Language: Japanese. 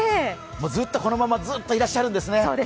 ずっとこのままいらっしゃるんですね。